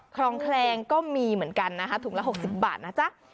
คลองแคลงก็มีเหมือนกันนะคะถุงละ๖๐บาทนะจ๊ะ